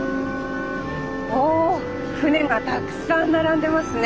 おお船がたくさん並んでますね。